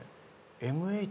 ＭＨ？